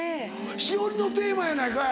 『栞のテーマ』やないかい。